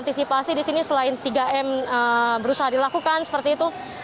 antisipasi di sini selain tiga m berusaha dilakukan seperti itu